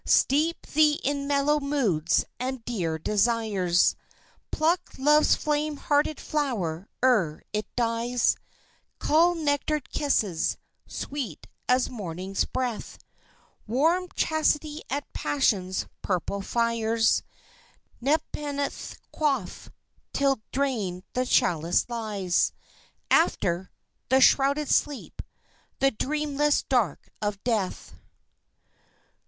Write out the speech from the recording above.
Steep thee in mellow moods and dear desires; Pluck Love's flame hearted flower ere it dies; Cull nectared kisses sweet as morning's breath, Warm Chastity at Passion's purple fires; Nepenthe quaff till drained the chalice lies. After ... the shrouded sleep, the dreamless dark of Death.